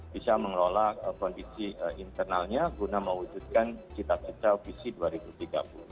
bisa mengelola kondisi internalnya guna mewujudkan cita cita visi dua ribu tiga puluh